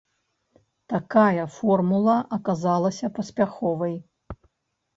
Такая формула аказалася паспяховай.